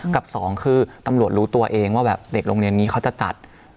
กับสองคือตำรวจรู้ตัวเองว่าแบบเด็กโรงเรียนนี้เขาจะจัด